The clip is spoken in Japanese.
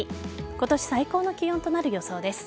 今年最高の気温となる予想です。